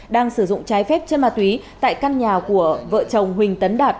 đang sử dụng trái phép chân ma túy tại căn nhà của vợ chồng huỳnh tấn đạt